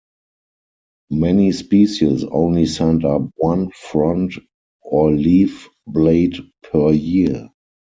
Many species only send up one frond or leaf-blade per year.